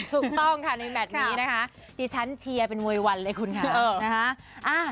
ถูกต้องค่ะในแมทนี้นะคะที่ฉันเชียวเป็นเมวยอันค่ะ